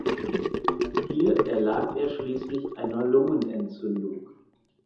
Hier erlag er schließlich einer Lungenentzündung.